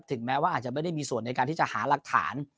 แม้ว่าอาจจะไม่ได้มีส่วนในการที่จะหาหลักฐาน